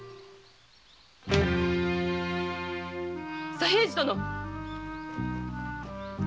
左平次殿！